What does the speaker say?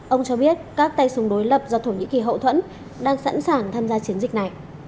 ông cho biết các tay súng đối lập do thổ nhĩ kỳ hậu thuẫn đang sẵn sàng tham gia chiến dịch này